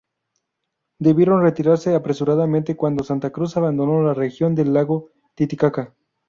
Debieron retirarse apresuradamente cuando Santa Cruz abandonó la región del Lago Titicaca.